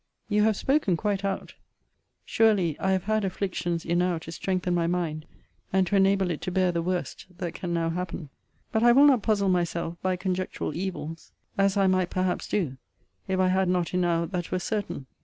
You have spoken quite out. Surely, I have had afflictions enow to strengthen my mind, and to enable it to bear the worst that can now happen. But I will not puzzle myself by conjectural evils; as I might perhaps do, if I had not enow that were certain.